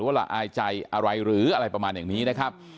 ละอายใจอะไรหรืออะไรประมาณอย่างนี้นะครับ